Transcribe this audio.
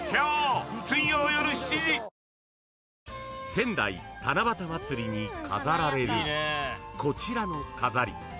［仙台七夕まつりに飾られるこちらの飾り］